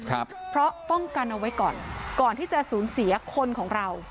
ครับเพราะป้องกันเอาไว้ก่อนก่อนที่จะสูญเสียคนของเรา